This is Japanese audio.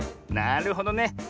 なるほどね。